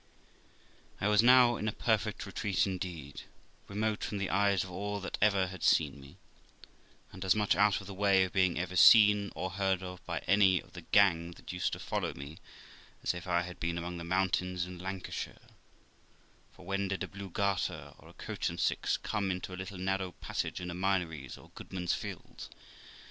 I was now in a perfect retreat indeed, remote from the eyes of all that ever had seen me, and as much out of the way of being ever seen or heard of by any of the gang that used to follow me as if I had been among the mountains in Lancashire; for when did a blue garter or a coach and six come into a little narrow passage in the Minories or Goodman's Fields?